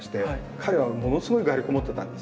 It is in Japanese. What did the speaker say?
彼はものすごい画力持ってたんです。